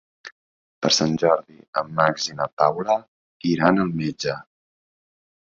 Per Sant Jordi en Max i na Paula iran al metge.